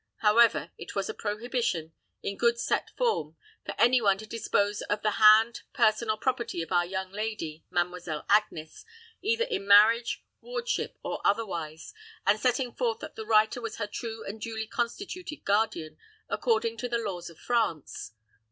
However, it was a prohibition, in good set form, for any one to dispose of the hand, person, or property of our young lady, Mademoiselle Agnes, either in marriage, wardship, or otherwise, and setting forth that the writer was her true and duly constituted guardian, according to the laws of France.